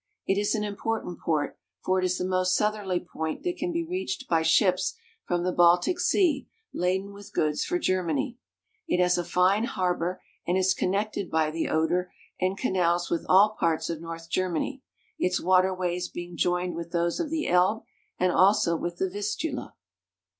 It is an important port, for it is the most southerly point that can be reached by ships from the Baltic Sea laden with goods for Germany. It has a fine harbor, and is connected by the Oder and canals with all parts of North Germany, its water ways being joined with those of the Elbe, and also with the Vistula.